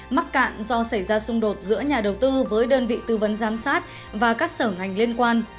mắc cạn do xảy ra xung đột giữa nhà đầu tư với đơn vị tư vấn giám sát và các sở ngành liên quan